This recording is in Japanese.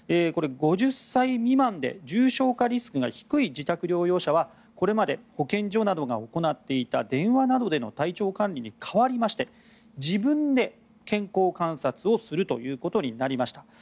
これは５０歳未満で重症化リスクが低い自宅療養者はこれまで保健所などが行っていた電話などでの体調管理に変わりまして自分で健康観察をするということになりました。